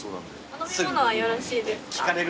お飲み物はよろしいですか？